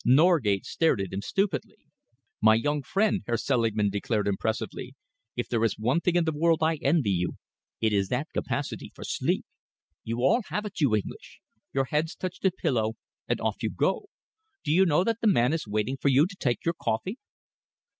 Norgate stared at him stupidly. "My young friend," Herr Selingman declared impressively, "if there is one thing in the world I envy you, it is that capacity for sleep. You all have it, you English. Your heads touch the pillow, and off you go. Do you know that the man is waiting for you to take your coffee?"